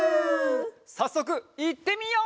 さっそくいってみよう！